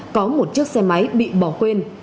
có một chiếc xe máy bị bỏ quên